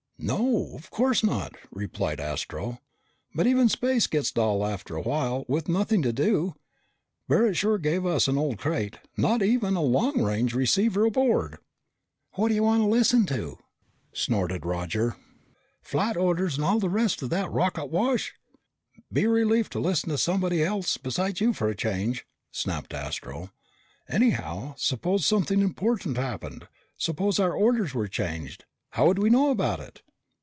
"No, of course not," replied Astro. "But even space gets dull after a while with nothing to do. Barret sure gave us an old crate. Not even a long range receiver aboard." "What do you want to listen to?" snorted Roger. "Flight orders and all the rest of that rocket wash?" "Be a relief to listen to somebody else beside you for a change," snapped Astro. "Anyhow, suppose something important happened. Suppose our orders were changed. How would we know about it?"